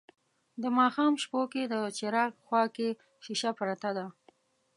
د ماښام شپو کې د څراغ خواکې شیشه پرته ده